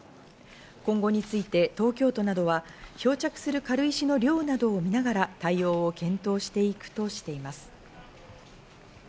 今後について東京都などは漂着する軽石の量などを見ながら、対応を検討していくとしています。